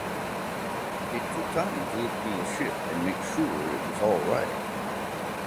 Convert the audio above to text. It was time to look through the ship and make sure it was alright.